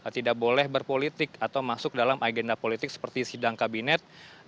tidak boleh berpolitik atau masuk dalam agenda politik seperti sidang kabinet